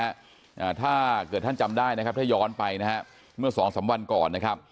อ่าถ้าเกิดท่านจำได้นะครับถ้าย้อนไปนะฮะเมื่อสองสามวันก่อนนะครับ